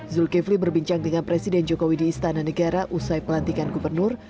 zulkifli berbincang dengan presiden jokowi di istana negara usai pelantikan gubernur